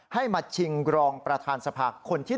ให้มาชิงรองประธานสภาคนที่๑